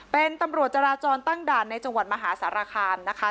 เป็นตำรวจจราจรตั้งด่านในจังหวัดมหาสารคามนะคะ